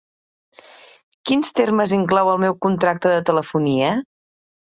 Quins termes inclou el meu contracte de telefonia?